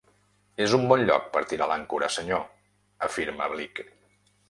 És un bon lloc per tirar l'àncora, senyor —afirma Bligh.